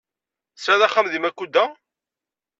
Tesɛiḍ axxam deg Makuda?